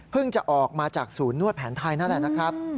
จะออกมาจากศูนย์นวดแผนไทยนั่นแหละนะครับ